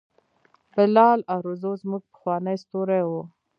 بلال ارزو زموږ پخوانی ستوری و.